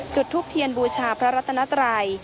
จุดทูปเทียนบูชาพระรัตนัตรัย